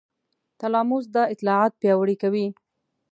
تلاموس دا اطلاعات پیاوړي کوي.